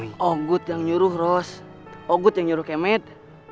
yang nyuruh ros ogut yang nyuruh kemet